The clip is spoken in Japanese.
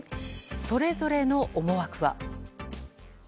それぞれの思惑は。